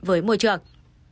với môi trường